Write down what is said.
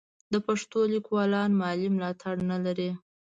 د پښتو لیکوالان مالي ملاتړ نه لري.